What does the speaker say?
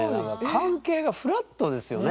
関係がフラットですよね。